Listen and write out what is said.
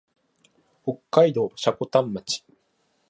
北海道積丹町